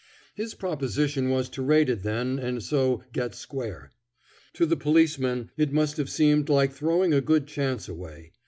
His proposition was to raid it then and so "get square." To the policeman it must have seemed like throwing a good chance away.